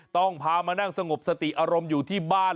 ต้องพามานั่งสงบสติอารมณ์อยู่ที่บ้าน